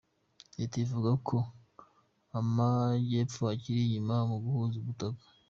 Leta ivuga ko Amajyepfo akiri inyuma mu guhuza ubutaka